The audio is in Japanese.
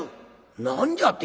「何じゃて？